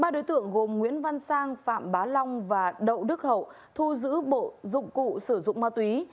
ba đối tượng gồm nguyễn văn sang phạm bá long và đậu đức hậu thu giữ bộ dụng cụ sử dụng ma túy